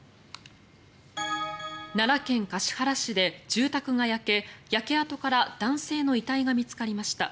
奈良県橿原市で住宅が焼け焼け跡から男性の遺体が見つかりました。